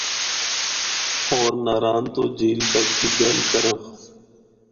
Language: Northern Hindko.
ہور ناران تو جھیل تک دی گل کرّاں۔